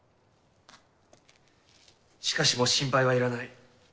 しかしもう心配はいらない。